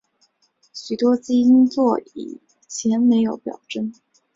许多基因座以前没有表征。